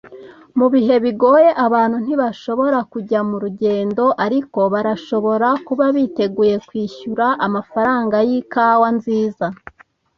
Mubihe bigoye, abantu ntibashobora kujya murugendo, ariko barashobora kuba biteguye kwishyura amafaranga yikawa nziza.